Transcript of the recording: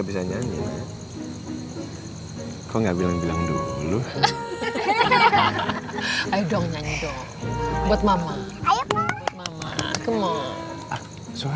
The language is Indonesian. buat nyanyi buat oma